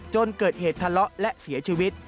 จนเกิดเหตุทะเลาะและเสียชีวิต